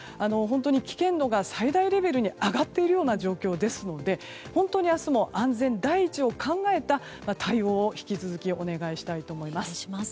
危険度が最大レベルに上がっているような状況なので明日も安全第一を考えた対応を引き続きお願いしたいと思います。